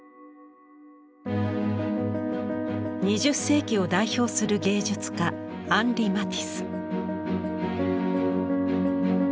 ２０世紀を代表する芸術家アンリ・マティス。